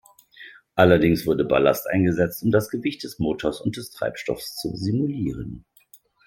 Allerdings wurde Ballast eingesetzt, um das Gewicht des Motors und des Treibstoffs zu simulieren.